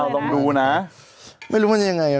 กลไม่เป็ดน่ะดิ